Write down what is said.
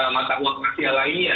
mata uang nasional lainnya